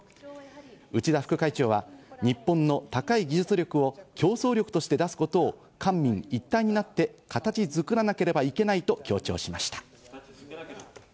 内田副会長は、日本の高い技術力を競争力として出すことを、官民一体になって形づくらなければいけないと強調しました。